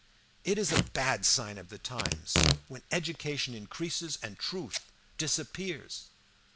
"It is a bad sign of the times when education increases and truth disappears.